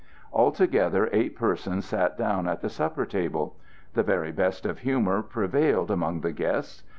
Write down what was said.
Altogether eight persons sat down at the supper table. The very best of humor prevailed among the guests.